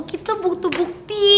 itu tuh buktu bukti